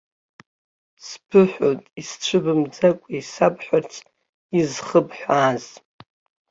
Сбыҳәоит исцәыбымӡакәа исабҳәарц изхыбҳәааз!